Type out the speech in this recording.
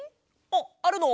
あっあるの？